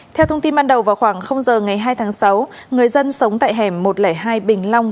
theo thông tin ban đầu vào khoảng giờ ngày hai tháng sáu người dân sống tại hẻm một trăm linh hai bình long